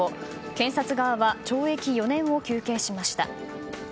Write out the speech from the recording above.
検察側は懲役４年を求刑しました。